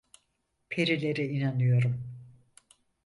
Perilere inanıyorum.